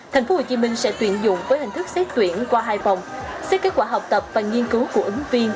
tp hcm sẽ tuyển dụng với hình thức xếp tuyển qua hai vòng xếp kết quả học tập và nghiên cứu của ứng viên